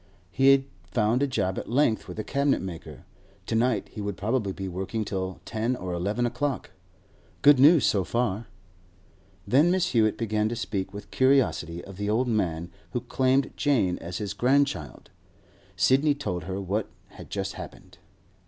He had found a job at length with a cabinet maker; to night he would probably be working till ten or eleven o'clock. Good news so far. Then Mrs. Hewett began to speak with curiosity of the old man who claimed Jane as his grandchild. Sidney told her what had just happened.